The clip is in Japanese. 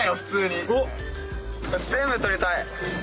全部取りたい。